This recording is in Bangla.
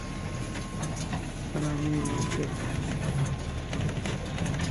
আর আমি যখন তোমার দিকে তাকাই আমি নিজেকে দেখতে পায়।